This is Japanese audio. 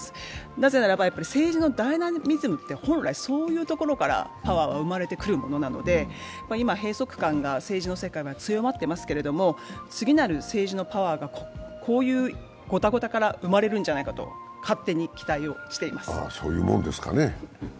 なぜならば政治のダイナミズムって本来、そういうところからパワーは生まれてくるものなので、今、閉塞感が政治の世界では強まってますけど次なる政治のパワーがこういうごたごたから生まれるんじゃないかと、勝手に期待をしています。